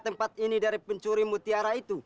tempat ini dari pencuri mutiara itu